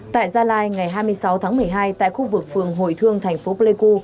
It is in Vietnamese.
tại gia lai ngày hai mươi sáu tháng một mươi hai tại khu vực phường hồi thương thành phố pleiku